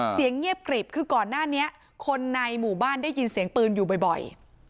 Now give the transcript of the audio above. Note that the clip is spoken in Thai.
เสียงเงียบกริบคือก่อนหน้านี้คนในหมู่บ้านได้ยินเสียงปืนอยู่บ่อย